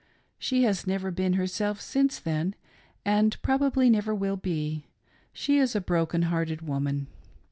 She has never been herself since then, and probably never will be — she is a broken hearted woman.